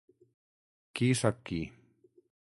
Qui sap qui.